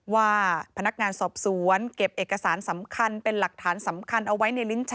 ว่าพนักงานสอบสวนเก็บเอกสารสำคัญเป็นหลักฐานสำคัญเอาไว้ในลิ้นชัก